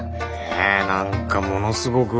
え何かものすごく。